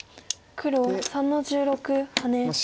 黒３の十六ハネ。